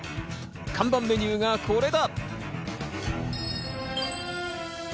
看板メニューがこれだ！